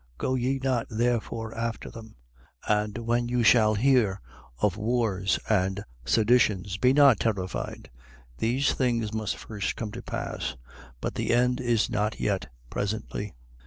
Go ye not therefore after them. 21:9. And when you shall hear of wars and seditions, be not terrified. These things must first come to pass: but the end is not yet presently.